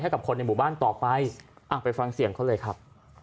กับคนในหมู่บ้านต่อไปไปฟังเสียงเขาเลยครับ